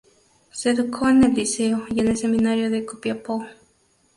Se educó en el Liceo y en el Seminario de Copiapó.